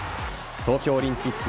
東京オリンピック